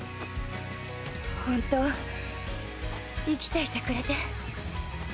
本当生きていてくれて。